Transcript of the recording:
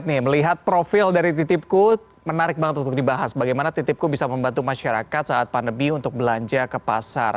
tadi kita sudah lihat profil dari ttipku dan menarik banget untuk dibahas bagaimana ttipku bisa membantu masyarakat saat pandemi untuk belanja ke pasar